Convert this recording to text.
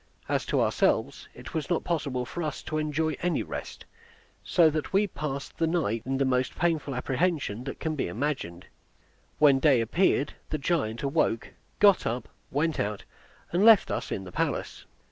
As to ourselves, it was not possible for us to enjoy any rest, so that we passed the night in the most painful apprehension that can be imagined. When day appeared the giant awoke, got up, went out, and left us in the palace.